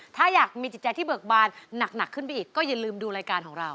ถ้าอยากมีจิตใจที่เบิกบานหนักขึ้นไปอีกก็อย่าลืมดูรายการของเรา